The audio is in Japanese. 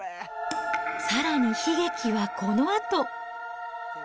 さらに悲劇はこのあと。